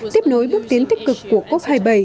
tiếp nối bước tiến tích cực của cop hai mươi bảy